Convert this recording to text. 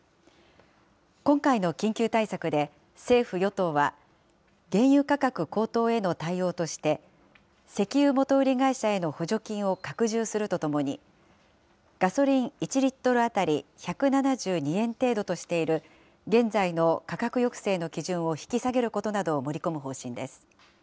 今回の緊急対策で政府・与党は、原油価格高騰への対応として、石油元売り会社への補助金を拡充するとともに、ガソリン１リットル当たり１７２円程度としている、現在の価格抑制の基準を引き下げることなどを盛り込む方針です。